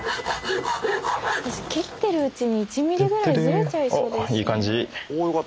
切ってるうちに１ミリぐらいずれちゃいそうですよね。